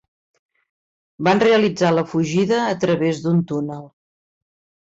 Van realitzar la fugida a través d'un túnel.